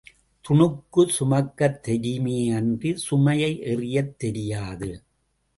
துணுக்குச் சுமக்கத் தெரியுமே அன்றிச் சுமையை எறியத் தெரியாது.